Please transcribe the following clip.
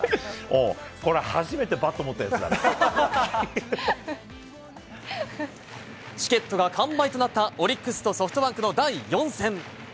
これは初めてバット持ったやチケットが完売となったオリックスとソフトバンクの第４戦。